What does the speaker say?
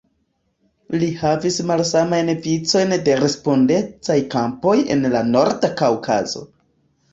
Li havis malsamajn vicojn de respondecaj kampoj en la Norda Kaŭkazo.